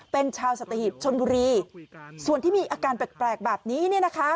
เป็นชาวสัตหิบชนบุรีส่วนที่มีอาการแปลกแบบนี้เนี่ยนะคะ